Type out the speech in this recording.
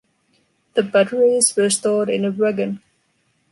The batteries were stored in a wagon.